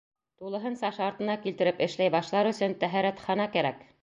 — Тулыһынса шартына килтереп эшләй башлар өсөн тәһәрәтхана кәрәк.